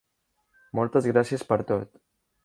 Moltes gràcies per tot.